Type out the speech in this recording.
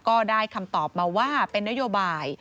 ก็ได้คำตอบมาว่าเป็นนโยบาย